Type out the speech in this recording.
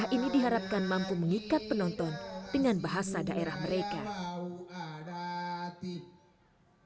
ini diharapkan mampu mengikat penonton dengan bahasa daerah mereka